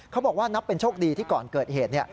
บอกว่านับเป็นโชคดีที่ก่อนเกิดเหตุ